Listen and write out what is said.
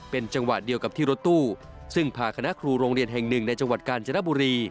เป็นจังหวะเดียวกับที่รถตู้ซึ่งพาคณะครูโรงเรียนแห่งหนึ่งในจังหวัดกาญจนบุรี